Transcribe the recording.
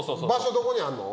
どこにあんの？